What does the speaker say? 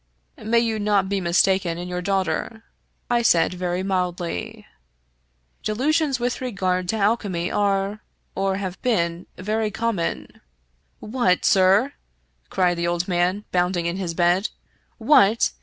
" May you not be mistaken in your daughter?" I said, very mildly. " Delusions with regard to alchemy are, or have been, very common " "What, sir?" cried the old man, bounding in his bed. " What?